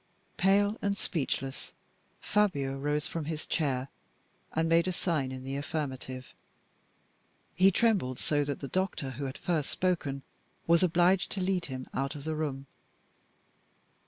Pale and speechless, Fabio rose from his chair, and made a sign in the affirmative. He trembled so that the doctor who had first spoken was obliged to lead him out of the room.